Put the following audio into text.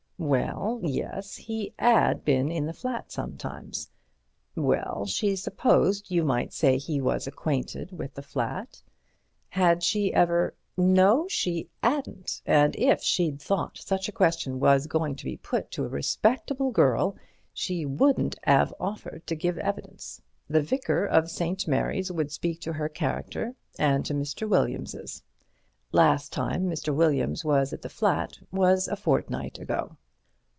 Well, yes, he 'ad been in the flat sometimes. Well, she supposed you might say he was acquainted with the flat. Had she ever—no, she 'adn't, and if she'd thought such a question was going to be put to a respectable girl she wouldn't 'ave offered to give evidence. The vicar of St. Mary's would speak to her character and to Mr. Williams's. Last time Mr. Williams was at the flat was a fortnight ago.